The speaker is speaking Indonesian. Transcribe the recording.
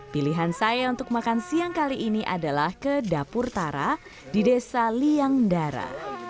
pilihan saya untuk makan siang kali ini adalah ke dapur tara di desa liangdara